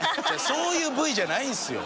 そういうＶじゃないんですよ。